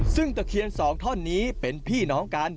ซึ่งตะเคียนสองท่อนนี้เป็นพี่น้องกัน